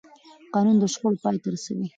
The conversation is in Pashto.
قانون د شخړو پای ته رسوي